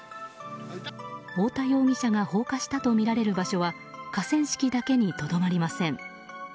太田容疑者が放火したとみられる場所は河川敷だけにとどまりません。